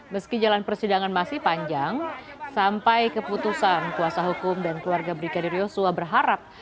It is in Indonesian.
meski jalan persidangan masih panjang sampai keputusan kuasa hukum dan keluarga brigadir yosua berharap